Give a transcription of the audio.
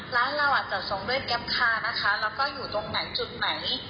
ร้านเราอ่ะจัดส่งด้วยแก๊ปคานะคะแล้วก็อยู่ตรงไหนจุดไหน